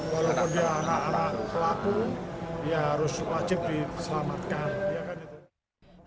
walaupun dia anak anak pelaku ya harus wajib diselamatkan